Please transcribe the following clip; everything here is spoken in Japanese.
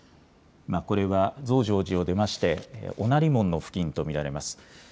これは増上寺を出まして御成門の付近と見られます。